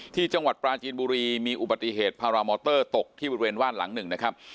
ที่จังหวัดปราจีนบุรีมีอุบัติเหตุพารามอเตอร์ตกที่บริเวณว่านหลังหนึ่งนะครับ